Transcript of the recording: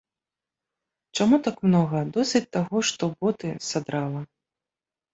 Чаму так многа, досыць таго, што боты садрала.